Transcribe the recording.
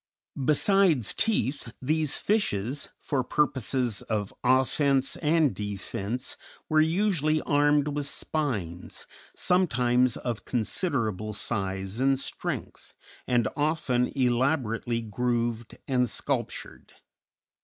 Besides teeth these fishes, for purposes of offence and defence, were usually armed with spines, sometimes of considerable size and strength, and often elaborately grooved and sculptured.